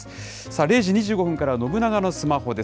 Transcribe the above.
０時２５分から信長のスマホです。